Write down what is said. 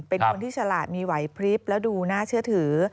เป็นคนที่ฉลาดมีไหวพลิบแล้วดูน่าเชื่อถือ